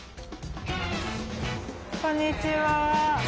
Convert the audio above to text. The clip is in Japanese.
こんにちは。